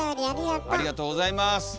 ありがとうございます。